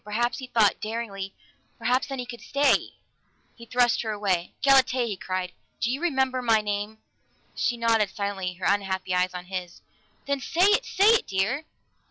Perhaps, he thought daringly, perhaps then he could stay! He thrust her away. "Galatea!" he cried. "Do you remember my name?" She nodded silently, her unhappy eyes on his. "Then say it! Say it, dear!"